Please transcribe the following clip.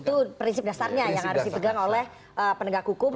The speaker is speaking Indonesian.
itu prinsip dasarnya yang harus dipegang oleh penegak hukum